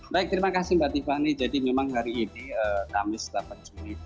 baik terima kasih mbak tiffany jadi memang hari ini enam juni dua ribu dua puluh tiga